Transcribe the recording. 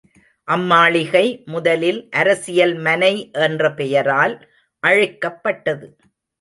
அம்மாளிகை முதலில் அரசியல் மனை என்ற பெயரால் அழைக்கப்பட்டது.